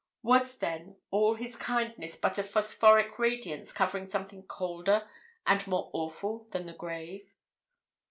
Was, then, all his kindness but a phosphoric radiance covering something colder and more awful than the grave?